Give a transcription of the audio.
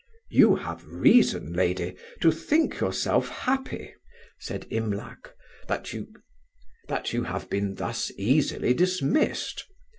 "You have reason, lady, to think yourself happy," said Imlac, "that you have been thus easily dismissed.